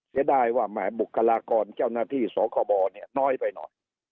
เสียดายว่าแหมบุคลากรเจ้าหน้าที่สคบเนี่ยน้อยไปหน่อย